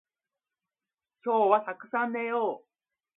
今日はたくさん寝よう